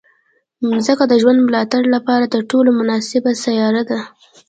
مځکه د ژوند د ملاتړ لپاره تر ټولو مناسبه سیاره ده.